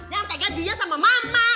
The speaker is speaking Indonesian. yang tegak dia sama mama